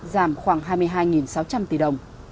giảm khoảng hai mươi hai sáu trăm linh tỷ đồng